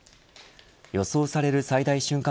予想される最大瞬間